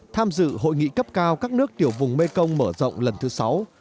tham dự hội nghị cấp cao các nước tiểu vùng mekong mở rộng lần thứ sáu